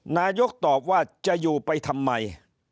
นายกรัฐมนตรีตอบว่าจะอยู่ไปทำไม